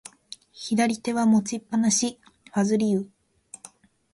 左手は持ちっぱなし、ファズリウ。